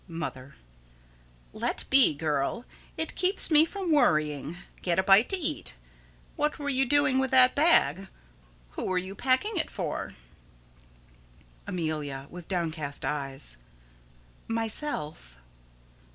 Mother: Let be, girl. It keeps me from worrying. Get a bite to eat. What were you doing with that bag? Who were you packing it for? Amelia: [With downcast eyes.] Myself.